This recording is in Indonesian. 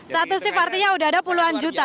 satu shift artinya udah ada puluhan juta